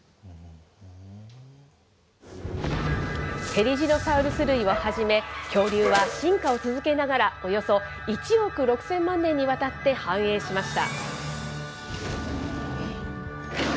テリジノサウルス類をはじめ、恐竜は進化を続けながら、およそ１億６０００万年にわたって繁栄しました。